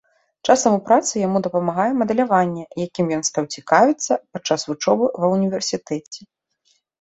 Часам у працы яму дапамагае мадэляванне, якім ён стаў цікавіцца падчас вучобы ва ўніверсітэце.